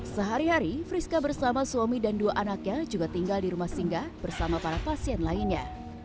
sehari hari friska bersama suami dan dua anaknya juga tinggal di rumah singgah bersama para pasien lainnya